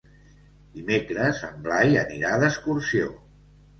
Dimecres en Blai anirà d'excursió.